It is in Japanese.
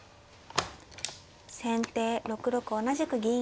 先手６六同じく銀。